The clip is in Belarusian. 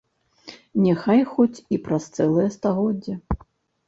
Няхай хоць і праз цэлае стагоддзе.